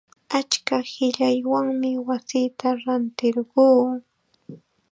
Achka qillaywanmi wasita rantirquu.